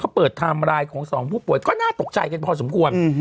เขาเปิดไทม์ไลน์ของสองผู้ป่วยก็น่าตกใจกันพอสมควร